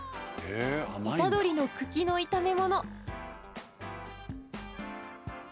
イタドリの茎の炒め物。